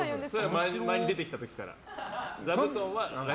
前に出てきた時から。